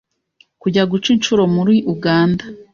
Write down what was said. kujya guca inshuro muri Uganda